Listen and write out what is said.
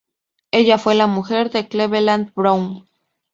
Ella fue la mujer de Cleveland Brown.